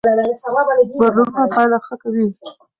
بدلونونه پایله ښه کوي.